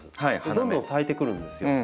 どんどん咲いてくるんですよ。